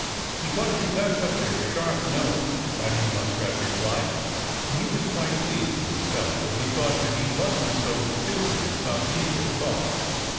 "Because you've got such a sharp nose," Paddy Muskrat replied. And he was quite pleased with himself, for he thought that he wasn't so stupid as some people thought.